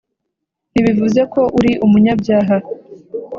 ntibivuze ko uri umunyabyaha